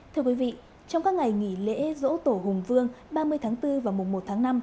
thưa quý vị trong các ngày nghỉ lễ dỗ tổ hùng vương ba mươi tháng bốn và mùa một tháng năm